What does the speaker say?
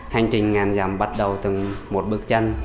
hành trình ngàn dặm bắt đầu từ một bức tranh